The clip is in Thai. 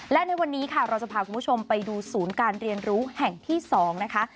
และในวันนี้ค่ะเราจะพาคุณผู้ชมไปดูศูนย์การเรียนรู้แห่งที่๒นะคะ